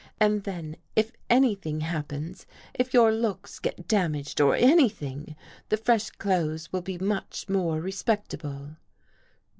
And then, if anything happens, if your looks get damaged or anything, the fresh clothes will be much more respectable."